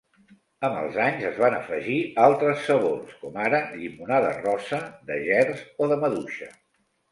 Amb els anys es van afegir altres sabors, com ara llimonada rosa, de gerds o de maduixa.